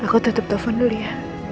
aku tutup telepon dulu ya